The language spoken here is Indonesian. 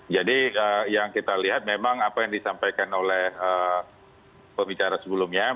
jadi yang kita lihat memang apa yang disampaikan oleh pembicara sebelumnya